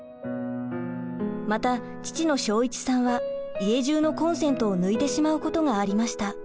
また父の昭市さんは家じゅうのコンセントを抜いてしまうことがありました。